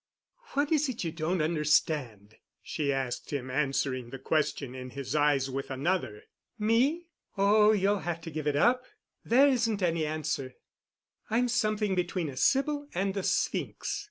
"What is it you don't understand?" she asked him, answering the question in his eyes with another. "Me? Oh, you'll have to give it up. There isn't any answer. I'm something between a sibyl and a sphinx.